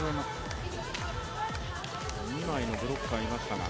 二枚のブロッカーがいましたが。